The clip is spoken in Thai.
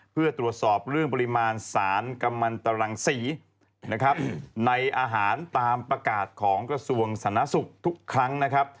เพื่อตรวจสอบเรื่องปริมาณสารกำลังตรังสีนะครับในอาหารตามประกาศของกระทรวงสาธารณสุขทุกครั้งนะครับ